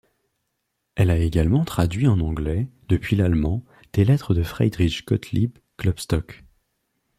Elle a également traduit en anglais depuis l'allemand des lettres de Friedrich Gottlieb Klopstock.